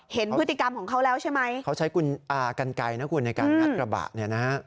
เห็นพฤติกรรมของเขาแล้วใช่ไหมเขาใช้คุณอากันไกลนะคุณในการงัดกระบะเนี่ยนะฮะ